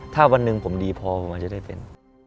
ถ้าวันหนึ่งผมดีพอผมอาจจะได้เป็น